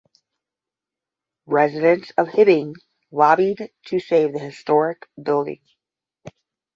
Residents of Hibbing lobbied to save the historic building.